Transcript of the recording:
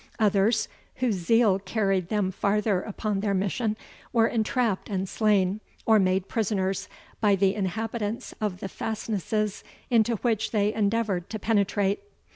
Others, whose zeal carried them farther upon their mission, were entrapped and slain, or made prisoners, by the inhabitants of the fastnesses into which they endeavoured to penetrate.